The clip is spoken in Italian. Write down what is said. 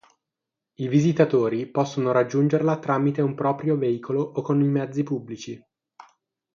I visitatori possono raggiungerla tramite un proprio veicolo o con i mezzi pubblici.